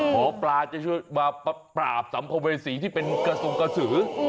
ขอบปลาปราบสัมผเวสีที่เป็นกระส่งกระสือ